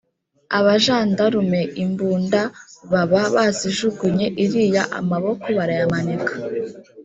abajandarume imbunda baba bazijugunye iriya amaboko barayamanika